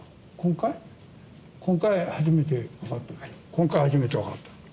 今回初めて分かったと